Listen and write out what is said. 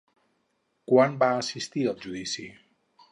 Quan van assistir al judici?